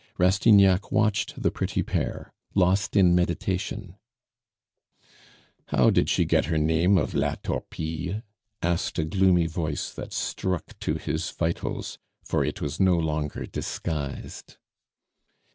Rastignac watched the pretty pair, lost in meditation. "How did she get her name of La Torpille?" asked a gloomy voice that struck to his vitals, for it was no longer disguised.